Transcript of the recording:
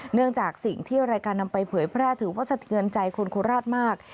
เนื่องจากสิ่งที่รายการนำไปเผยแพร่ถือว่าสะเทือนใจคนโคราชมาก